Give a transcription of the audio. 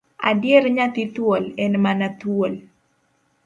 Adier nyathi thuol, en mana thuol.